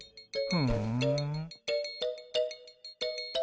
ふん。